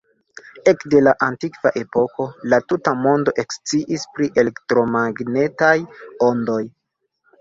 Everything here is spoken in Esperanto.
Ekde la antikva epoko, la tuta mondo eksciis pri elektromagnetaj ondoj.